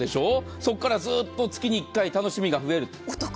そこから、ずっと月に１回楽しみが増える。